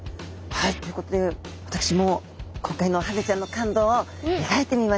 ということで私も今回のハゼちゃんの感動を描いてみました。